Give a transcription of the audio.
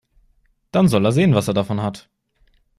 Dann soll er sehen, was er davon hat.